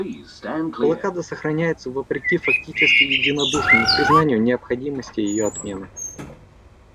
Блокада сохраняется вопреки фактически единодушному признанию необходимости ее отмены.